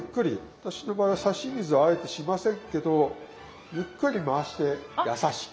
私の場合は差し水あえてしませんけどゆっくり回してやさしく。